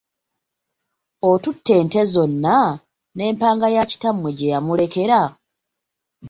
Otutte ente zonna, ne mpanga ya kitamwe gye yamulekera.